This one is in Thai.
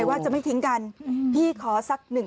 แบบนี้เลย